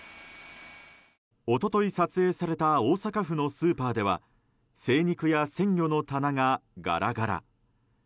一昨日撮影された大阪府のスーパーでは精肉や鮮魚の棚がガラガラ。